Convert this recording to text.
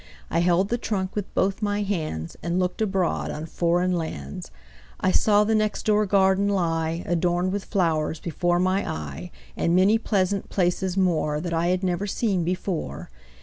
I held the trunk with both my handsAnd looked abroad on foreign lands.I saw the next door garden lie, Adorned with flowers, before my eye, And many pleasant places moreThat I had never seen before.